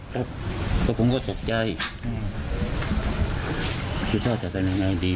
ครับแต่ผมก็สักใจอืมคือถ้าจะเป็นยังไงดี